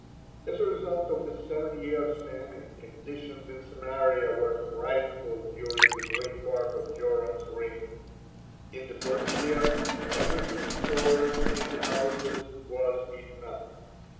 (54) As a result of the seven years' famine, conditions in Samaria were frightful during the great part of Joram's reign. In the first year everything stored in the houses was eaten up.